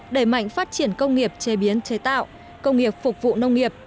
đẩy mạnh phát triển công nghiệp chế biến chế tạo công nghiệp phục vụ nông nghiệp